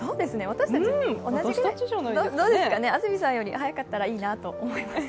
私たち、同じどうですかね安住さんより早かったらいいなと思います。